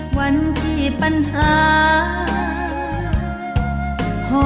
สวัสดีทุกคน